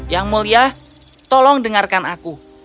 yang mulia tolong dengarkan aku